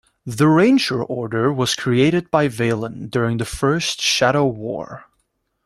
The Ranger order was created by Valen during the First Shadow War.